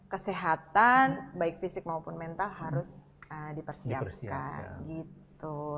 kesehatan baik fisik maupun mental harus dipersiapkan gitu